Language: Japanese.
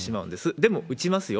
でも打ちますよ。